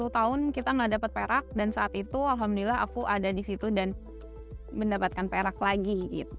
sepuluh tahun kita gak dapat perak dan saat itu alhamdulillah aku ada di situ dan mendapatkan perak lagi